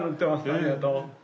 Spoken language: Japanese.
ありがとう。